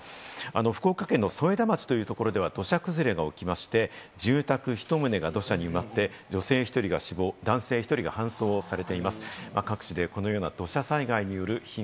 福岡県の添田町というところでは土砂崩れが起きまして、住宅一棟が土砂によって女性１人が、男性１人が搬送されています。